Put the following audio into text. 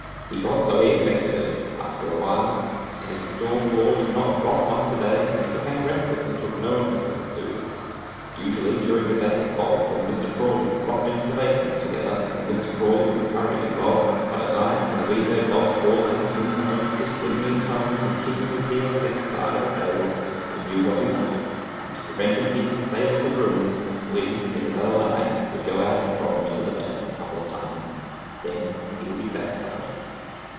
He got so he expected it, after awhile, and if his stall floor did not drop once a day, he became restless and took no interest in his food. Usually, during the day, Bob and Mr. Prawley dropped into the basement together while Mr. Prawley was currying Bob, but at night, when we heard Bob calling us in the homesick, whinnying tone, and kicking his heels against the side of the stable, we knew what he wanted, and to prevent him kicking the stable to ruins, we Isobel and I would go out and drop him into the basement a couple of times. Then he would be satisfied.